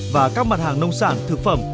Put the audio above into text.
và các mặt hàng nông sản thực phẩm